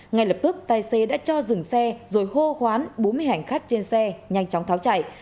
ngay lập tức tài xế đã cho dừng xe rồi hô hoán bốn mươi hành khách trên xe nhanh chóng tháo chạy